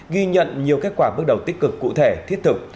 ghi nhận nhiều kết quả bước đầu tích cực cụ thể thiết thực